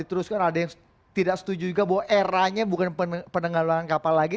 tidak setuju juga bahwa eranya bukan penenggalan kapal lagi